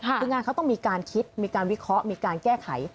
คืองานเขาต้องมีการคิดมีการวิเคราะห์มีการแก้ไข